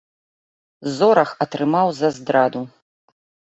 Зорах атрымаў за здраду.